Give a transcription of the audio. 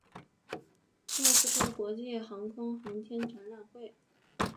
莫斯科国际航空航天展览会。